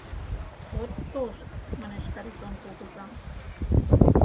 — От тошт! — манеш Каритон кугыза.